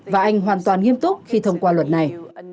và anh hoàn toàn nghiêm túc khi thông qua luật này